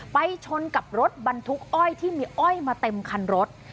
ไปชนกับรถบรรทุกอ้อยที่มีอ้อยมาเต็มคันรถ